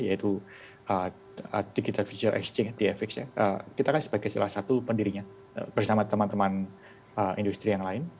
yaitu digital future exchange kita kan sebagai salah satu pendirinya bersama teman teman industri yang lain